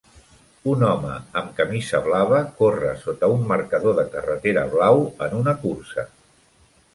Un home amb camisa blava corre sota un marcador de carretera blau en una cursa.